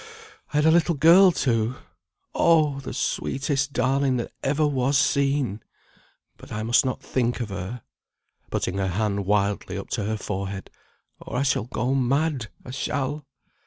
I had a little girl, too. Oh! the sweetest darling that ever was seen! But I must not think of her," putting her hand wildly up to her forehead, "or I shall go mad; I shall."